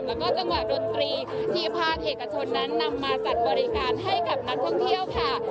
แล้วก็จังหวะดนตรีที่ภาคเอกชนนั้นนำมาจัดบริการให้กับนักท่องเที่ยวค่ะ